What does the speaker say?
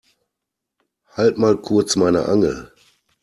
Halt mal kurz meine Angel.